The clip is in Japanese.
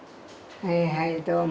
はいはいどうも。